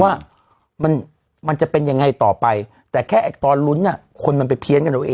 ว่ามันมันจะเป็นยังไงต่อไปแต่แค่ตอนลุ้นอ่ะคนมันไปเพี้ยนกันเอาเอง